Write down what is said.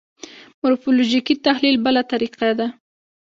مورفولوژیکي تحلیل بله طریقه ده.